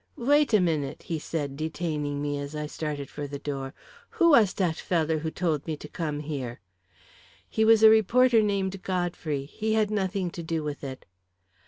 "Wait a minute," he said, detaining me, as I started for the door. "Who was t'at feller who told me to come here?" "He was a reporter named Godfrey. He had nothing to do with it."